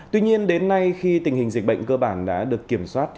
tuy nhiên đến nay khi tình hình dịch bệnh cơ bản đã được kiểm soát